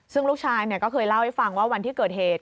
ซึ่งลูกชายก็เคยเล่าให้ฟังว่าวันที่เกิดเหตุ